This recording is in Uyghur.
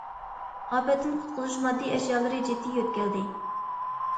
ئاپەتتىن قۇتقۇزۇش ماددىي ئەشيالىرى جىددىي يۆتكەلدى.